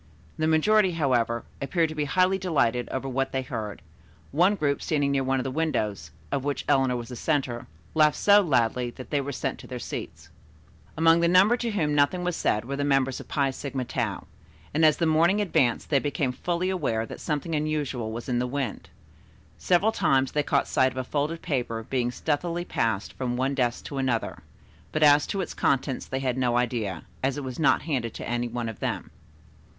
The majority, however, appeared to be highly delighted over what they heard, one group standing near one of the windows, of which Eleanor was the center, laughed so loudly that they were sent to their seats. Among the number to whom nothing was said were the members of the Phi Sigma Tau, and as the morning advanced they became fully aware that something unusual was in the wind. Several times they caught sight of a folded paper being stealthily passed from one desk to another, but as to its contents they had no idea, as it was not handed to any one of them.